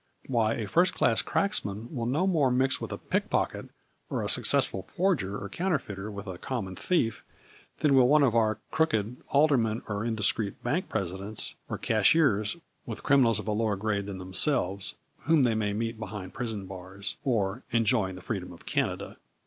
" Why, a first class cracksman will no more mix with a pick pocket, or a successful forger or counterfeiter a FLvnnr tn diamonds. si with a common thief, than will one of our 'crooked' aldermen or indiscreet bank presidents or cashiers with criminals of a lower grade than themselves, whom they may meet behind prison bars, or ' enjoying the freedom of Canada.